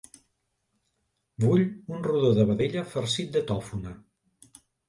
Vull un rodó de vedella farcit de tòfona.